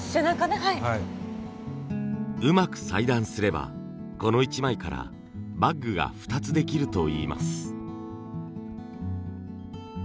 うまく裁断すればこの一枚からバッグが２つできるといいます。